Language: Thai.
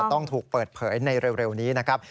ต้องถูกเปิดเผยในเร็วนี้นะครับ